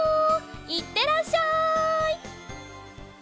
いってらっしゃい！